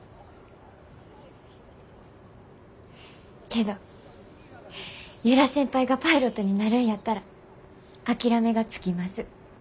けど由良先輩がパイロットになるんやったら諦めがつきます。